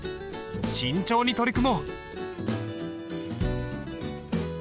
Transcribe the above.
慎重に取り組もう。